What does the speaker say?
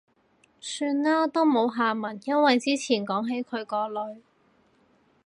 算喇，都冇下文。因為之前講起佢個女